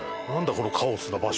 このカオスな場所。